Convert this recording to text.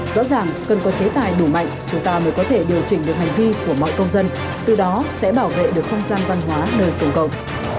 rõ ràng cần có chế tài đủ mạnh chúng ta mới có thể điều chỉnh được hành vi của mọi công dân từ đó sẽ bảo vệ được không gian văn hóa nơi công cộng